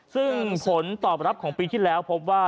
ซึ่งผลตอบรับของปีที่แล้วพบว่า